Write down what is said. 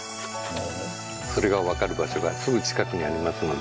それが分かる場所がすぐ近くにありますので。